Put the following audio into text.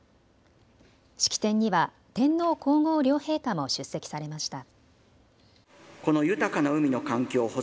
式典には天皇皇后両陛下も出席されました。